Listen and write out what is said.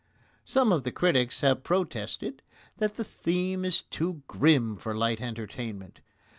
Some of the critics have protested that the theme is too grim for light entertainment.